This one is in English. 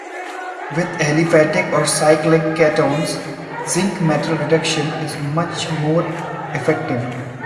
With aliphatic or cyclic ketones, zinc metal reduction is much more effective.